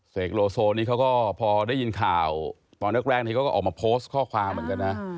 โลโซนี่เขาก็พอได้ยินข่าวตอนแรกนี้เขาก็ออกมาโพสต์ข้อความเหมือนกันนะ